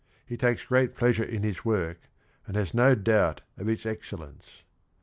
He takes great pleasure in his work and has no doubt of its excellence.